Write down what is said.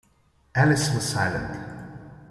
Alice was silent.